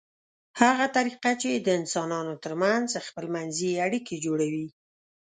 هغه طریقه چې د انسانانو ترمنځ خپلمنځي اړیکې جوړوي